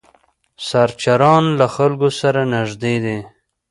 سرچران له خلکو سره نږدې دي.